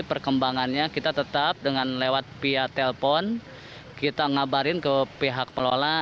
perkembangannya kita tetap dengan lewat via telpon kita ngabarin ke pihak pelola